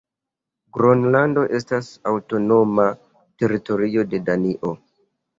Gronlando estas aŭtonoma teritorio de Danio.